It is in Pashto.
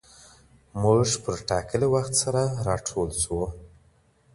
موږ پر ټاکلي وخت سره راټول سو.